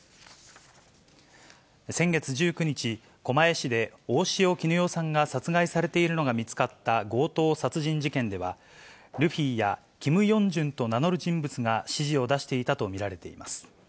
先月１９日、狛江市で大塩衣与さんが殺害されているのが見つかった強盗殺人事件では、ルフィやキム・ヨンジュンと名乗る人物が指示を出していたと見られています。